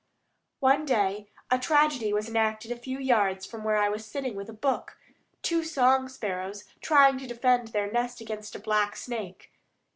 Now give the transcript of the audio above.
One day a tragedy was enacted a few yards from where I was sitting with a book; two song sparrows trying to defend their nest against a black snake.